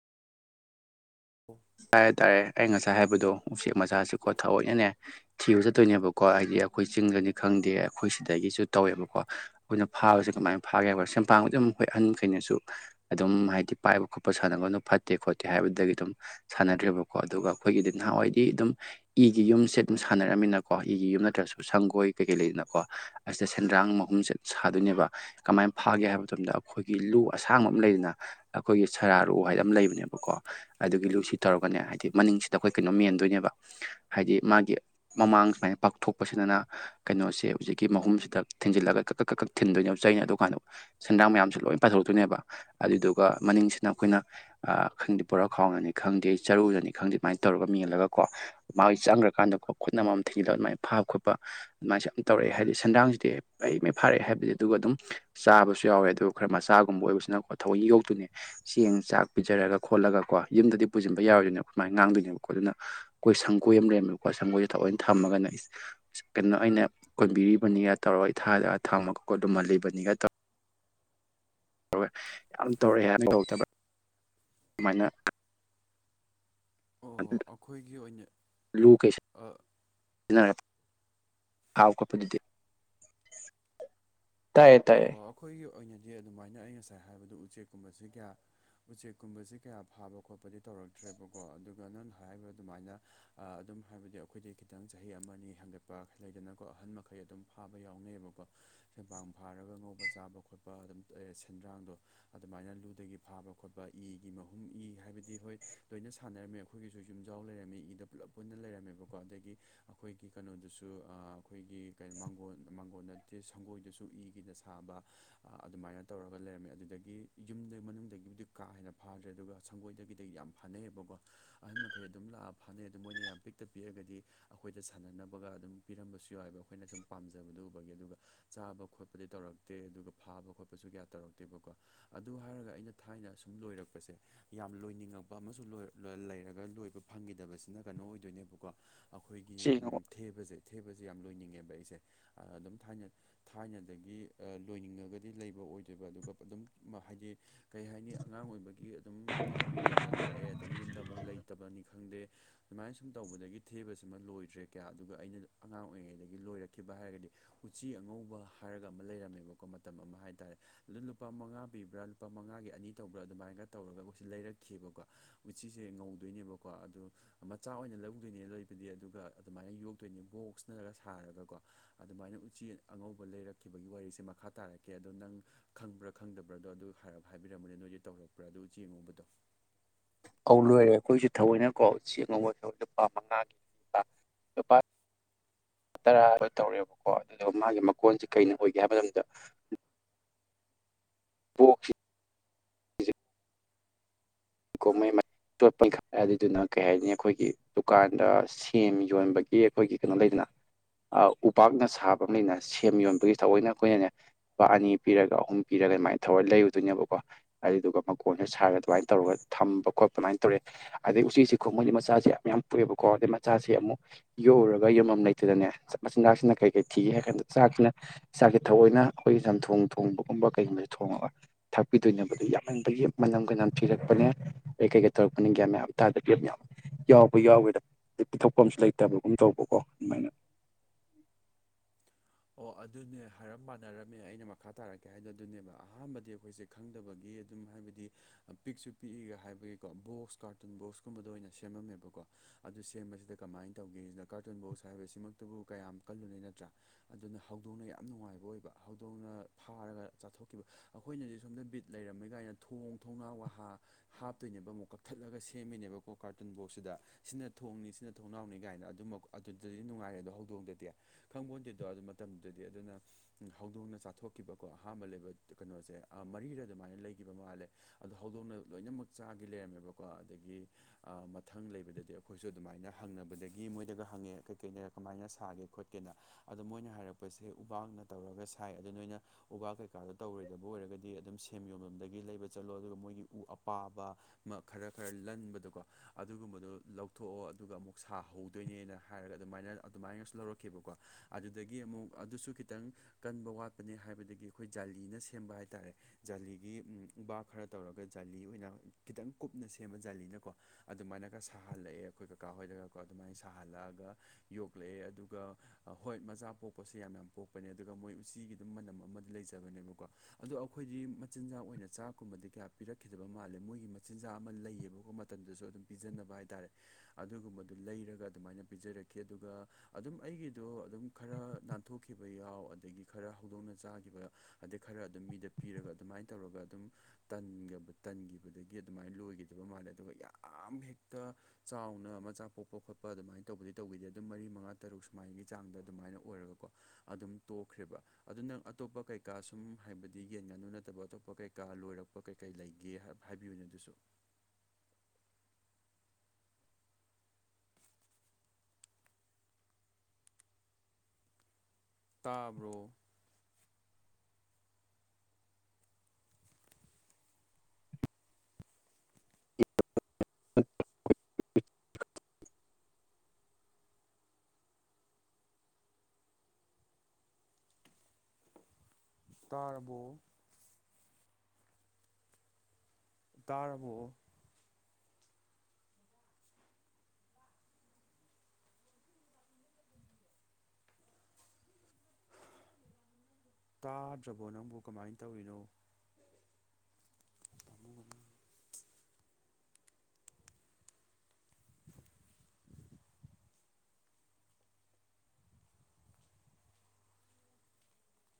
ꯑꯣꯝ ꯍꯥꯏ ꯇꯥꯔꯦ ꯑꯩ ꯉꯁꯥꯏ ꯍꯥꯏꯕꯗꯣ ꯎꯆꯦꯛ ꯃꯆꯥꯁꯤꯀꯣ ꯊꯑꯣꯏꯅꯅꯦ ꯊꯤꯕ ꯆꯠꯇꯣꯏꯅꯦꯕꯀꯣ ꯍꯥꯏꯗꯤ ꯑꯩꯈꯣꯏ ꯆꯤꯡꯗꯅꯤ ꯈꯪꯗꯦ ꯑꯩꯈꯣꯏ ꯁꯤꯗꯒꯤꯁꯨ ꯇꯧꯋꯦꯕꯀꯣ ꯑꯩꯈꯣꯏꯅ ꯐꯥꯕꯕꯁꯤ ꯀꯃꯥꯏꯅ ꯐꯥꯒꯦ ꯍꯥꯏꯕ ꯁꯦꯡꯄꯥꯡꯕꯨꯗꯤ ꯗꯨꯝ ꯍꯣꯏ ꯑꯍꯟꯈꯩꯅꯁꯨ ꯑꯗꯨꯝ ꯍꯥꯏꯗꯤ ꯄꯥꯏꯕ ꯈꯣꯠꯄ ꯁꯥꯟꯅꯕꯗ ꯐꯠꯇꯦ ꯈꯣꯠꯇꯦ ꯍꯥꯏꯕꯗꯒꯤ ꯑꯗꯨꯝ ꯁꯥꯟꯅꯗ꯭ꯔꯦꯕꯀꯣ ꯑꯗꯨꯒ ꯑꯩꯈꯣꯏꯒꯤꯗꯤ ꯅꯍꯥꯟꯋꯥꯏꯗꯤ ꯑꯗꯨꯝ ꯏꯒꯤ ꯌꯨꯝꯁꯦ ꯑꯗꯨꯝ ꯁꯥꯟꯅꯔꯝꯃꯤꯅꯀꯣ ꯏꯒꯤ ꯌꯨꯝ ꯅꯠꯇ꯭ꯔꯁꯨ ꯁꯪꯒꯣꯏ ꯀꯩꯀꯩ ꯂꯩꯗꯅꯀꯣ ꯑꯁꯤꯗ ꯁꯦꯟꯗ꯭ꯔꯥꯡ ꯃꯍꯨꯝꯁꯦ ꯁꯥꯗꯣꯏꯅꯦꯕ ꯀꯃꯥꯏ ꯐꯥꯒꯦ ꯍꯥꯏꯕ ꯃꯇꯝꯗ ꯑꯩꯈꯣꯏꯒꯤ ꯂꯨ ꯑꯁꯥꯡꯕ ꯑꯃ ꯂꯩꯗꯅ ꯑꯩꯈꯣꯏꯒꯤ ꯁꯔꯥꯔꯨ ꯍꯥꯏꯗ ꯑꯃ ꯂꯩꯕꯅꯦꯕꯀꯣ ꯑꯗꯨꯗꯒꯤ ꯂꯨꯁꯤꯠ ꯇꯧꯔꯒꯅꯦ ꯍꯥꯏꯗꯤ ꯃꯅꯤꯡꯁꯤꯗ ꯑꯩꯈꯣꯏ ꯀꯩꯅꯣ ꯃꯦꯟꯗꯣꯏꯅꯦꯕ ꯍꯥꯏꯗꯤ ꯃꯥꯒꯤ ꯃꯃꯥꯡ ꯁꯨꯃꯥꯏꯅ ꯄꯥꯛꯊꯣꯛꯄꯁꯤꯗꯅ ꯀꯩꯅꯣꯁꯦ ꯍꯧꯖꯤꯛꯀꯤ ꯃꯍꯨꯝꯁꯤꯗ ꯊꯦꯡꯖꯤꯜꯂꯒ ꯀꯛꯛ ꯀꯛꯛ ꯊꯤꯟꯗꯣꯏꯅꯦꯕ ꯆꯩꯅꯤ ꯑꯗꯨ ꯀꯥꯟꯗ ꯁꯦꯟꯗꯥꯡ ꯃꯌꯥꯝꯁꯨ ꯂꯣꯏ ꯄꯥꯏꯊꯣꯛꯇꯣꯏꯅꯦꯕ ꯑꯗꯨꯗꯨꯒ ꯃꯅꯤꯡꯁꯤꯅ ꯑꯩꯈꯣꯏꯅ ꯈꯪꯗꯦ ꯄꯨꯣꯔꯥ ꯈꯥꯎꯅꯅꯤ ꯈꯪꯗꯦ ꯑꯩ ꯆꯔꯨꯗꯅꯤ ꯈꯪꯗꯦ ꯑꯗꯨꯃꯥꯏꯅ ꯇꯧꯔꯒ ꯃꯦꯜꯂꯒ ꯀꯣ ꯃꯥꯒꯤ ꯆꯪꯈ꯭ꯔꯀꯥꯟꯗꯀꯣ ꯈꯨꯠꯅ ꯑꯃꯝ ꯊꯦꯡꯖꯤꯜꯂ ꯑꯗꯨꯃꯥꯏꯅ ꯐꯥꯕ ꯈꯣꯠꯄ ꯑꯗꯨꯃꯥꯏꯅꯁꯨꯦ ꯌꯥꯝ ꯇꯧꯔꯛꯑꯦ ꯍꯥꯏꯗꯤ ꯁꯟꯗ꯭ꯔꯡꯁꯤꯗꯤ ꯐꯩ ꯃꯩ ꯐꯥꯔꯛꯑꯦ ꯍꯥꯏꯕꯗꯤ ꯑꯗꯨꯒ ꯑꯗꯨꯝ ꯆꯥꯕꯁꯨ ꯌꯥꯎꯋꯦ ꯑꯗꯨ ꯈꯔ ꯃꯆꯥꯒꯨꯝꯕ ꯑꯣꯏꯕꯁꯤꯅꯀꯣ ꯊꯋꯏ ꯌꯧꯇꯨꯅꯦ ꯆꯦꯡ ꯆꯥꯛ ꯄꯤꯖꯔꯒ ꯈꯣꯠꯂꯒ ꯀꯣ ꯌꯨꯝꯗꯗꯤ ꯄꯨꯁꯤ ꯌꯥꯎꯔꯣꯏꯅꯦꯕ ꯁꯨꯃꯥꯏꯅ ꯉꯥꯡꯗꯣꯏꯅꯦꯕꯀꯣ ꯑꯗꯨꯅ ꯑꯩꯈꯣꯏ ꯁꯒꯣꯏ ꯑꯃ ꯂꯩꯔꯝꯃꯦꯕꯀꯣ ꯁꯪꯒꯣꯏꯁꯦ ꯊꯑꯣꯏꯅ ꯊꯝꯃꯒꯅ ꯀꯩꯅꯣ ꯑꯩꯅ ꯀꯣꯟꯕꯤꯔꯤꯕꯅꯤꯒ ꯇꯧꯔꯒ ꯏ ꯊꯥꯗꯒ ꯊꯥꯡꯕ ꯈꯀꯣꯠ ꯑꯗꯨꯃ ꯂꯩꯕꯅꯤꯒ ꯇꯧꯔ ꯇꯧꯋ ꯌꯥꯝ ꯇꯧꯔꯛꯑꯦ ꯍꯥꯏ ꯊꯣꯛꯣꯛꯇꯕ ꯑꯗꯨꯃꯥꯏꯅ ꯑ ꯑꯣ ꯑꯩꯈꯣꯏꯒꯤ ꯑꯣꯏꯅ ꯂꯨ ꯀꯩꯁ ꯑ ꯍꯥꯎ ꯀꯣꯄ ꯑꯗꯨꯗꯤ ꯑꯣ ꯑꯩꯈꯣꯏꯒꯤ ꯑꯣꯏꯅꯗꯤ ꯑꯗꯨꯃꯥꯏꯅ ꯑꯩ ꯉꯁꯥꯏ ꯍꯥꯏꯕꯗ ꯎꯆꯦꯛꯀꯨꯝꯕꯁꯤ ꯀꯌꯥ ꯎꯆꯦꯛꯀꯨꯝꯕꯁꯤ ꯀꯌꯥ ꯐꯥꯕ ꯈꯣꯠꯄꯗꯤ ꯇꯧꯔꯛꯇ꯭ꯔꯦꯕꯀꯣ ꯑꯗꯨꯒ ꯅꯪꯅ ꯍꯥꯏꯔꯤꯕ ꯑꯗꯨꯃꯥꯏꯅ ꯑꯗꯨꯝ ꯍꯥꯏꯕꯗꯤ ꯑꯩꯈꯣꯏꯗꯤ ꯈꯤꯇꯪ ꯆꯍꯤ ꯑꯃꯅꯤ ꯍꯦꯟꯒꯠꯄ ꯂꯩꯗꯅꯀꯣ ꯑꯍꯟ ꯃꯈꯩ ꯑꯗꯨꯝ ꯐꯥꯕ ꯌꯥꯎꯅꯩꯑꯕꯀꯣ ꯇꯦꯡꯕꯥꯥꯡ ꯐꯥꯔꯒ ꯉꯧꯕ ꯆꯥꯕ ꯈꯣꯠꯄ ꯑꯗꯨꯝ ꯁꯦꯟꯗ꯭ꯔꯥꯡꯗꯣ ꯑꯗꯨꯃꯥꯏꯅ ꯂꯨꯗꯒꯤ ꯐꯥꯕ ꯈꯣꯠꯄ ꯏꯒꯤ ꯃꯍꯨꯝ ꯏ ꯍꯥꯏꯕꯗꯤ ꯍꯣꯏ ꯂꯣꯏꯅ ꯁꯥꯟꯅꯔꯝꯃꯦꯕ ꯑꯩꯈꯣꯏꯒꯤꯁꯨ ꯌꯨꯝꯖꯥꯎ ꯂꯩꯔꯝꯃꯤ ꯏꯗ ꯄꯨꯂꯞ ꯄꯨꯟꯅ ꯂꯩꯔꯝꯃꯦꯕꯀꯣ ꯑꯗꯒꯤ ꯑꯩꯈꯣꯏꯒꯤ ꯀꯩꯅꯣꯗꯁꯨ ꯑꯩꯈꯣꯏꯒꯤ ꯃꯥꯡꯒꯣꯟꯜ ꯃꯥꯡꯒꯣꯟꯜ ꯅꯠꯇꯦ ꯁꯪꯒꯣꯏꯗꯁꯨ ꯏ ꯒꯤꯗ ꯁꯥꯕ ꯑꯗꯨꯃꯥꯏꯅ ꯇꯧꯔꯒ ꯂꯩꯔꯝꯃꯦ ꯑꯗꯨꯗꯒꯤ ꯌꯨꯝꯩ ꯃꯅꯨꯡꯗꯒꯤꯕꯨꯗꯤ ꯀꯥ ꯍꯦꯟꯅ ꯐꯥꯗ꯭ꯔꯦ ꯑꯗꯨꯒ ꯁꯪꯒꯣꯏꯗꯒꯤꯗꯤ ꯌꯥꯝ ꯐꯅꯩꯑꯕꯀꯣ ꯑꯍꯟ ꯃꯈꯩ ꯑꯗꯨꯝ ꯂꯥꯛꯑꯒ ꯐꯅꯩ ꯑꯗꯨꯗꯣ ꯃꯣꯏꯅ ꯌꯥꯝ ꯄꯤꯛ ꯇ ꯄꯤꯔꯒꯗꯤ ꯑꯩꯈꯣꯏꯗ ꯁꯥꯟꯅꯅꯕꯒ ꯑꯗꯨꯝ ꯄꯤꯔꯝꯕꯁꯨ ꯌꯥꯎꯏꯑꯕ ꯑꯩꯈꯣꯏꯅ ꯁꯨꯝ ꯄꯥꯝꯖꯕꯗꯨ ꯎꯕꯒꯤ ꯑꯗꯨꯒ ꯆꯥꯕ ꯈꯣꯠꯄꯗꯤ ꯇꯧꯔꯛꯇꯦ ꯑꯗꯨꯒ ꯐꯥꯕ ꯈꯣꯠꯄꯁꯨ ꯀꯌꯥ ꯇꯧꯔꯛꯇꯦꯕꯀꯣ ꯑꯗꯨ ꯍꯥꯏꯔꯒ ꯑꯩꯅ ꯊꯥꯏꯅ ꯁꯨꯝ ꯂꯣꯏꯔꯛꯄꯁꯦ ꯌꯥꯝ ꯂꯣꯏꯅꯤꯡꯉꯛꯄ ꯑꯃꯁꯨ ꯂꯩꯔꯒ ꯂꯣꯏꯕ ꯐꯪꯈꯤꯗꯕꯁꯤꯅ ꯀꯩꯅꯣ ꯑꯣꯏꯗꯣꯏꯅꯦꯕꯀꯣ ꯑꯩꯈꯣꯏꯒꯤ ꯆꯦꯡ ꯊꯦꯕꯁꯦ ꯊꯦꯕꯁꯦ ꯌꯥꯝ ꯂꯣꯏꯅꯤꯡꯉꯦꯕ ꯑꯩꯁꯦ ꯑꯗꯨꯝ ꯊꯥꯏꯅ ꯊꯥꯏꯅ ꯑꯗꯒꯤ ꯂꯣꯏꯅꯤꯡꯉꯒꯗꯤ ꯂꯩꯕ ꯑꯣꯏꯗꯣꯏꯕ ꯑꯗꯨꯒ ꯑꯗꯨꯝ ꯍꯥꯏꯗꯤ ꯀꯩ ꯍꯥꯏꯅꯤ ꯑꯉꯥꯡ ꯑꯣꯏꯕꯒꯤ ꯑꯗꯨꯝ ꯉꯝꯗꯅ ꯂꯥꯛꯑꯦ ꯑꯗꯒꯤ ꯌꯨꯝꯗ ꯑꯃꯨꯛ ꯂꯩꯇꯕꯅꯤ ꯈꯪꯗꯦ ꯁꯨꯃꯥꯏꯅ ꯁꯨꯝ ꯇꯧꯕꯗꯒꯤ ꯊꯦꯕꯁꯤꯃ ꯂꯣꯏꯗ꯭ꯔꯦ ꯀꯌꯥ ꯑꯗꯨꯒ ꯑꯩꯅ ꯑꯉꯥꯡ ꯑꯣꯏꯔꯤꯉꯩꯗꯒꯤ ꯂꯣꯏꯔꯛꯈꯤꯕ ꯍꯥꯏꯔꯒꯗꯤ ꯎꯆꯤ ꯑꯉꯧꯕ ꯍꯥꯏꯔꯒ ꯑꯃ ꯂꯩꯔꯝꯃꯦꯕꯀꯣ ꯃꯇꯝ ꯑꯃ ꯍꯥꯏꯇꯥꯔꯦ ꯑꯗꯨ ꯂꯨꯄꯥ ꯃꯉꯥ ꯄꯤꯕ꯭ꯔꯥ ꯂꯨꯄꯥ ꯃꯉꯥꯒꯤ ꯑꯅꯤ ꯇꯧꯕ꯭ꯔꯥ ꯑꯗꯨꯃꯥꯏꯅ ꯇꯧꯔꯒ ꯑꯩꯈꯣꯏꯁ ꯂꯩꯔꯛꯈꯤꯕꯑꯕꯀꯣ ꯃꯤꯠꯆꯤꯁꯦ ꯉꯧꯗꯣꯏꯅꯦꯕꯀꯣ ꯑꯗꯨ ꯃꯆꯥ ꯑꯣꯏꯅ ꯂꯧꯗꯣꯏꯅꯦ ꯂꯩꯣꯏꯕꯗꯤ ꯑꯗꯨꯒ ꯑꯗꯨꯃꯥꯏꯅ ꯌꯣꯛꯇꯣꯏꯅꯦ ꯕꯣꯛꯁꯅꯔꯒ ꯁꯥꯔꯒꯀꯣ ꯑꯗꯨꯃꯥꯏꯅ ꯎꯆꯦ ꯑꯉꯧꯕ ꯂꯩꯔꯛꯈꯤꯕꯒꯤ ꯋꯥꯔꯤꯁꯦ ꯃꯈꯥ ꯇꯥꯔꯛꯀꯦ ꯑꯗꯣ ꯅꯪ ꯈꯪꯕ꯭ꯔꯥ ꯈꯪꯗꯕ꯭ꯔꯥꯗꯣ ꯑꯗꯨ ꯍꯥꯏꯕꯤꯔꯝꯕꯅꯤ ꯅꯣꯏꯗꯤ ꯇꯧꯔꯛꯄ꯭ꯔꯥ ꯑꯗꯨ ꯆꯡꯉꯨꯕꯗꯣ ꯑꯧ ꯂꯣꯏꯔꯦ ꯑꯩꯈꯣꯏꯁꯨ ꯊꯑꯣꯏꯅꯀꯣ ꯆꯦꯡꯉꯧꯕ ꯂꯨꯄꯥ ꯃꯉꯥꯒꯤ [unintelligible] ꯇꯔꯥ ꯇꯧꯔꯦꯕꯀꯣ ꯑꯗꯨ ꯃꯥꯒꯤ ꯃꯀꯣꯟꯁꯦ ꯀꯩꯅ ꯑꯣꯏꯒꯦ ꯍꯥꯏꯕ ꯃꯇꯝꯗ ꯑꯣꯦ ꯀꯣꯍꯩ ꯆꯣꯠꯄꯩ ꯈꯔ ꯑꯗꯨꯗꯨꯅ ꯀꯩ ꯍꯥꯏꯅꯤ ꯑꯩꯈꯣꯏꯒꯤ ꯗꯨꯀꯥꯟꯗ ꯁꯦꯝ ꯌꯣꯟꯕꯒꯤ ꯑꯩꯈꯣꯏꯒꯤ ꯀꯩꯅꯣ ꯂꯩꯗꯅ ꯎꯄꯥꯛꯅ ꯁꯥꯕ ꯑꯃ ꯂꯩꯅ ꯁꯦꯝ ꯌꯣꯟꯕꯒꯤ ꯊꯑꯣꯏꯅ ꯑꯩꯈꯣꯏꯅꯅꯦ ꯂꯨꯄꯥ ꯑꯅꯤ ꯄꯤꯔꯒ ꯑꯍꯨꯝ ꯄꯤꯔꯒ ꯑꯗꯨꯃꯥꯏꯅ ꯊꯧꯔ ꯂꯩꯔꯨꯗꯣꯏꯅꯦꯕꯀꯣ ꯑꯗꯨꯗꯨꯒ ꯃꯀꯣꯟꯅ ꯁꯥꯔꯒ ꯑꯗꯨꯃꯥꯏꯅ ꯇꯧꯔꯒ ꯊꯝꯕ ꯈꯣꯠꯄ ꯑꯗꯨꯃꯥꯏꯅ ꯇꯧꯔꯦ ꯑꯗꯩ ꯎꯆꯦꯛꯁꯤ ꯈꯣꯡꯃꯅꯤ ꯃꯆꯥꯁꯦ ꯌꯥꯝ ꯌꯥꯝ ꯄꯨꯑꯦꯕꯀꯣ ꯑꯗꯩ ꯃꯆꯥꯁꯤꯦ ꯑꯃꯨꯛ ꯌꯣꯛꯎꯔꯒ ꯌꯨꯝ ꯑꯃ ꯂꯩꯇꯗꯅꯦ ꯃꯆꯤꯟꯖꯥꯛꯁꯤꯅ ꯀꯩ ꯀꯩ ꯊꯤꯒꯦ ꯍꯥꯏ ꯀꯥꯟꯗ ꯆꯥꯛꯁꯤꯅ ꯆꯥꯛꯒꯤ ꯊꯑꯣꯏ ꯑꯣꯏꯅ ꯑꯩꯈꯣꯏꯒꯤ ꯂꯝꯝꯊꯣꯡ ꯊꯣꯡꯕꯒꯨꯝꯕ ꯀꯩꯒꯨꯝꯕꯁꯦ ꯊꯣꯡꯉꯒ ꯊꯥꯛꯄꯤꯗꯣꯏꯅꯕꯗꯨ ꯌꯥꯝꯍꯟꯕꯒꯤ ꯃꯅꯝꯒ ꯅꯝꯊꯤꯔꯛꯄꯅꯦ ꯀꯩ ꯀꯩꯧꯔꯛꯄ ꯀꯒꯌꯥ ꯃꯌꯥꯝ ꯇꯥꯗꯕꯤ ꯌꯥꯎꯕ ꯌꯥꯎꯋꯦꯗ ꯑꯗꯩ ꯄꯤꯊꯣꯛꯐꯝ ꯑꯨ ꯂꯩꯇꯕꯒꯨꯝ ꯇꯧꯕꯀꯣ ꯑꯗꯨꯃꯥꯏꯅ ꯑꯣ ꯑꯗꯨꯅꯦ ꯍꯥꯏꯔꯞ ꯃꯥꯟꯅꯔꯝꯃꯦ ꯑꯩꯅ ꯃꯈꯥ ꯇꯥꯔꯛꯀꯦ ꯍꯥꯏꯅꯣ ꯑꯗꯨꯅꯦꯕ ꯑꯍꯥꯟꯕꯗꯤ ꯑꯩꯈꯣꯏꯁꯦ ꯈꯪꯗꯕꯒꯤ ꯑꯗꯨꯝ ꯍꯥꯏꯕꯗꯤ ꯄꯤꯛꯁꯨ ꯄꯤꯛꯏꯒ ꯍꯥꯏꯕꯒꯤꯀꯣ ꯕꯣꯛꯁ ꯀꯥꯔꯇꯨꯟ ꯕꯣꯛꯁꯀꯨꯝꯕꯗ ꯑꯣꯏꯅ ꯁꯦꯝꯃꯝꯃꯦꯕꯀꯣ ꯑꯗꯨ ꯁꯦꯝꯕꯁꯤꯗ ꯀꯃꯥꯏꯅ ꯇꯧꯒꯦ ꯁꯤꯅ ꯀꯥꯔꯇꯨꯟ ꯕꯣꯛꯁ ꯍꯥꯏꯕꯁꯤꯃꯛꯇꯕꯨ ꯀꯌꯥꯝ ꯀꯜꯂꯨꯅ ꯅꯠꯇ꯭ꯔꯥ ꯑꯗꯨꯅ ꯍꯧꯗꯣꯡꯅ ꯌꯥꯝ ꯅꯨꯡꯉꯥꯏꯕ ꯑꯣꯏꯕ ꯍꯧꯗꯣꯡꯅ ꯐꯥꯔꯒ ꯆꯥꯊꯣꯛꯈꯤꯕ ꯑꯩꯈꯣꯏꯅꯗꯤ ꯁꯣꯝꯗ ꯕꯤꯠ ꯂꯩꯔꯝꯃꯦ ꯀꯥꯏꯅ ꯊꯣꯡ ꯊꯣꯡꯅꯥ ꯋꯥꯍꯥ ꯍꯥꯞꯇꯣꯏꯅꯦꯕ ꯑꯃꯨꯛ ꯀꯛꯊꯠꯂꯒ ꯁꯦꯝꯃꯤꯅꯦꯕꯀꯣ ꯀꯥꯔꯇꯨꯟ ꯕꯣꯛꯁꯁꯤꯗ ꯁꯤꯅ ꯊꯣꯡꯅꯤ ꯁꯤꯅ ꯊꯣꯡꯅꯥꯎꯅꯤ ꯀꯥꯏꯅ ꯑꯗꯨꯃꯛ ꯑꯗꯨꯗꯗꯤ ꯅꯨꯡꯉꯥꯏꯔꯦ ꯑꯗꯣ ꯍꯧꯗꯣꯡꯗꯗꯤ ꯈꯪꯕꯣꯟꯗ ꯑꯗꯣ ꯑꯗꯨ ꯃꯇꯝꯗꯨꯗꯗꯤ ꯑꯗꯨꯅ ꯍꯧꯗꯣꯡꯅ ꯆꯥꯊꯣꯛꯈꯤꯕꯀꯣ ꯑꯍꯥꯟꯕ ꯂꯩꯕ ꯀꯩꯅꯣꯁꯦ ꯃꯔꯤꯔ ꯑꯗꯨꯃꯥꯏꯅ ꯂꯩꯈꯤꯕ ꯃꯥꯜꯂꯦ ꯑꯗꯨ ꯍꯧꯗꯣꯡꯅ ꯂꯣꯏꯅꯃꯛ ꯆꯥꯈꯤ ꯂꯩꯔꯝꯃꯦꯕꯀꯣ ꯑꯗꯒꯤ ꯃꯊꯪ ꯂꯩꯕꯗꯗꯤ ꯑꯩꯈꯣꯏꯁꯨ ꯑꯗꯨꯃꯥꯏꯅ ꯍꯪꯅꯕꯗꯒꯤ ꯃꯣꯏꯗꯒ ꯍꯪꯉꯦ ꯀꯩꯀꯩꯗ ꯀꯃꯥꯏꯅ ꯁꯥꯒꯦ ꯈꯣꯠꯀꯦ ꯀꯦꯅ ꯑꯗꯣ ꯃꯣꯏꯅ ꯍꯥꯏꯔꯛꯄꯁꯦ ꯎꯕꯥꯛꯅ ꯇꯧꯔꯒ ꯁꯥꯏ ꯑꯗꯨꯗ ꯅꯣꯏꯅ ꯎ ꯋꯥ ꯀꯩꯀꯥꯗꯣ ꯇꯧꯔꯣꯏꯗꯕ ꯑꯣꯏꯔꯒꯗꯤ ꯑꯗꯨꯝ ꯁꯦꯝ ꯌꯣꯝꯂꯣꯝꯗꯒꯤ ꯂꯩꯕ ꯆꯠꯂꯣ ꯑꯗꯨꯒ ꯃꯣꯏꯒꯤ ꯎ ꯑꯄꯥꯕ ꯈꯔ ꯈꯔ ꯂꯟꯕꯗꯣꯀꯣ ꯑꯗꯨꯒꯨꯝꯕꯗꯣ ꯂꯧꯊꯣꯛꯑꯣ ꯑꯗꯨꯒ ꯑꯃꯨꯛ ꯁꯥꯍꯧꯗꯣꯏꯅꯦꯅ ꯍꯥꯏꯔꯒ ꯑꯗꯨꯃꯥꯏꯅ ꯑꯗꯨꯃꯥꯏꯅꯁꯨ ꯂꯧꯔꯛꯈꯤꯕꯕꯀꯣ ꯑꯗꯨꯗꯒꯤ ꯑꯃꯨꯛ ꯑꯗꯨꯁꯨ ꯈꯤꯇꯪ ꯀꯟꯕ ꯋꯥꯠꯄꯅꯦ ꯍꯥꯏꯕꯗꯒꯤ ꯑꯩꯈꯣꯏ ꯖꯥꯂꯤꯅ ꯁꯦꯝꯕ ꯍꯥꯏꯇꯥꯔꯦ ꯖꯥꯂꯤꯒꯤ ꯕꯥ ꯈꯔ ꯇꯧꯔꯒ ꯖꯥꯂꯤ ꯑꯣꯏꯅ ꯈꯤꯇꯪ ꯀꯨꯞꯅ ꯁꯦꯝꯃ ꯖꯥꯂꯤꯅꯀꯣ ꯑꯗꯨꯃꯥꯏꯅꯒ ꯁꯥꯍꯜꯂꯛꯑꯦ ꯑꯩꯈꯣꯏ ꯀꯀꯥ ꯍꯣꯏꯗꯒꯀꯣ ꯑꯗꯨꯃꯥꯏꯅ ꯁꯥꯍꯜꯂꯛꯑꯒ ꯌꯣꯛꯂꯛꯑꯦ ꯑꯗꯨꯒ ꯍꯣꯏ ꯃꯆꯥ ꯄꯣꯛꯄꯁꯦ ꯌꯥꯝ ꯌꯥꯝ ꯄꯣꯛꯄꯅꯦ ꯑꯗꯨꯒ ꯃꯣꯏ ꯎꯆꯤꯒꯤꯗꯨꯝ ꯃꯅꯝ ꯑꯃꯗꯤ ꯂꯩꯖꯕꯅꯦꯕꯀꯣ ꯑꯗꯣ ꯑꯩꯈꯣꯏꯗꯤ ꯃꯆꯤꯟꯖꯥꯛ ꯑꯣꯏꯅ ꯆꯥꯛꯀꯨꯝꯕꯗꯤ ꯀꯌꯥ ꯄꯤꯔꯛꯈꯤꯗꯕ ꯃꯥꯜꯂꯦ ꯃꯣꯏꯒꯤ ꯃꯆꯤꯟꯖꯥꯛ ꯑꯃ ꯂꯩꯌꯦꯕꯀꯣ ꯃꯇꯝꯗꯁꯨ ꯑꯗꯨꯝ ꯄꯤꯖꯅꯕ ꯍꯥꯏꯇꯥꯔꯦ ꯑꯗꯨꯒꯨꯝꯕꯗꯨ ꯂꯩꯔꯒ ꯑꯗꯨꯃꯥꯏꯅ ꯄꯤꯖꯔꯛꯈꯤ ꯑꯗꯨꯒ ꯑꯗꯨꯝ ꯑꯩꯒꯤ ꯑꯗꯣ ꯑꯗꯨꯝ ꯈꯔ ꯅꯥꯟꯊꯣꯛꯈꯤꯕ ꯌꯥꯎ ꯑꯗꯒꯤ ꯈꯔ ꯍꯧꯗꯣꯡꯅ ꯆꯥꯈꯤꯕ ꯑꯗꯩ ꯈꯔ ꯑꯗꯨꯝ ꯃꯤꯗ ꯄꯤꯔꯒ ꯑꯗꯨꯃꯥꯏꯅ ꯇꯧꯔꯒ ꯑꯗꯨꯝ ꯇꯟꯈꯤꯕꯗꯒꯤ ꯑꯗꯨꯃꯥꯏꯅ ꯂꯣꯏꯈꯤꯗꯕ ꯃꯥꯜꯂꯦ ꯑꯗꯨꯒ ꯌꯥꯝ ꯍꯦꯛꯇ ꯆꯥꯎꯅ ꯃꯆꯥ ꯄꯣꯛꯄ ꯈꯣꯠꯄ ꯑꯗꯨꯃꯥꯏꯅ ꯇꯧꯕꯗꯤ ꯇꯧꯕꯤꯗꯦ ꯑꯗꯨꯝ ꯃꯔꯤ ꯃꯉꯥ ꯇꯔꯨꯛ ꯃ ꯃꯥꯏꯒꯤ ꯆꯥꯡꯗ ꯑꯗꯨꯃꯥꯏꯅ ꯑꯣꯏꯔꯒꯀꯣ ꯑꯗꯨꯝ ꯇꯣꯛꯈ꯭ꯔꯦꯕ ꯑꯗꯨ ꯅꯪ ꯑꯇꯣꯞꯄ ꯀꯩꯀꯥ ꯁꯨꯝ ꯍꯥꯏꯕꯗꯤ ꯌꯦꯟ ꯉꯥꯅꯨ ꯅꯠꯇꯕ ꯑꯇꯣꯞꯄ ꯀꯩꯀꯥ ꯂꯣꯏꯔꯛꯄ ꯀꯩ ꯀꯩ ꯂꯩꯒꯦ ꯍꯥꯏ ꯍꯥꯏꯕꯤꯕꯅꯤꯣ ꯑꯗꯨꯁꯨ [unintelligible] ꯇꯥꯕ꯭ꯔꯣ [unintelligible] ꯑ ꯇꯥꯔꯔꯕꯣ ꯇꯥꯔꯕꯨ ꯇꯥꯗ꯭ꯔꯕꯣ ꯅꯪꯕꯨ ꯀꯃꯥꯏꯅ ꯇꯧꯔꯤꯅꯣ ꯑꯗꯨ [unintelligible]